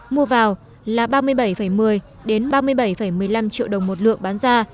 mua vào là ba mươi bảy một mươi ba mươi bảy một mươi năm triệu đồng một lượng bán ra